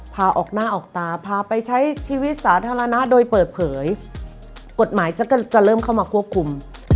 พาออกหน้าออกตาพาไปใช้ชีวิตสาธารณะโดยเปิดเผยกฎหมายจักรก็จะเริ่มเข้ามาควบคุม